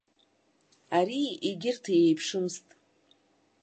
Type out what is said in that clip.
Арии егьырҭи еиԥшымызт.